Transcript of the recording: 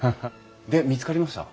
で見つかりました？